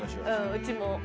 うちも。